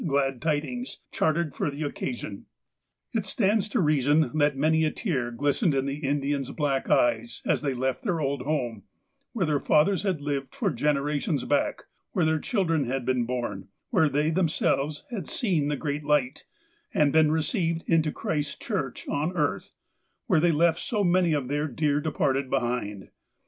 Glad Tidings, chartered for the occasion. It stands to reason that many a tear glistened in the Indians' black eyes, as they left their old home, where their fathers had lived for generations back, where their children had been born, where they themselves had seen the great light, and been received into Christ's church on earth, and where they left so many of their dear departed behind.